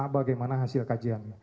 bagaimana hasil kajian